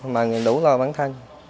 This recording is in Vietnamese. mà đủ lo bản thân